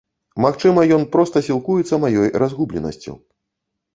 Магчыма, ён проста сілкуецца маёй разгубленасцю.